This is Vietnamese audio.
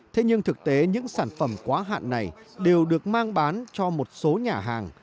thế nhưng thực tế những sản phẩm quá hạn này đều được mang bán cho một số nhà hàng